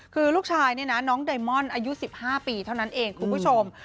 คือลูกชายนี่นะน้องไดมอนอายุ๑๕ปีเท่านั้นเองคุณผู้ชม